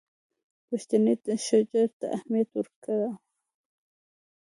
پښتني شجرو ته اهمیت ورکړو.